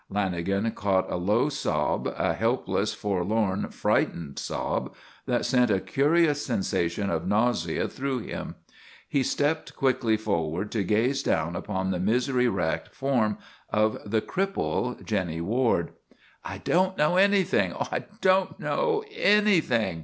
Lanagan caught a low sob, a helpless, forlorn, frightened sob, that sent a curious sensation of nausea through him. He stepped quickly forward to gaze down upon the misery racked form of the cripple, Jennie Ward. "I don't know anything! Oh, I don't know anything!"